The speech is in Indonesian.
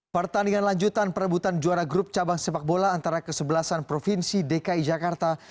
pertandingan lanjutan perebutan juara grup cabang sepak bola antara kesebelasan provinsi dki jakarta